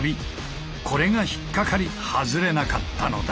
これが引っ掛かり外れなかったのだ。